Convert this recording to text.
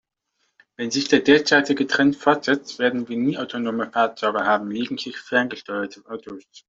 Wenn sich der derzeitige Trend fortsetzt, werden wir nie autonome Fahrzeuge haben, lediglich ferngesteuerte Autos.